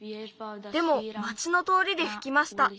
でも町のとおりでふきました。